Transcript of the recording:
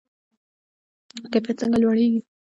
کیفیت څنګه لوړیږي؟